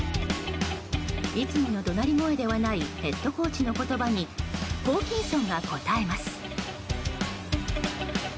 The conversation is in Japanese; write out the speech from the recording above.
いつもの怒鳴り声ではないヘッドコーチの言葉にホーキンソンが応えます。